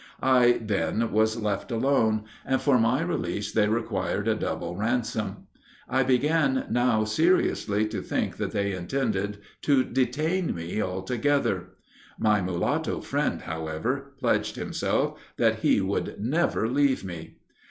I then was left alone, and for my release they required a double ransom. I began now seriously to think that they intended to detain me altogether. My mulatto friend, however, pledged himself that he would never leave me.